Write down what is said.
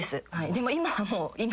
でも今はもう。え！？